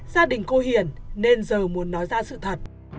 gia đình cô hiển nên giờ muốn nói ra sự thật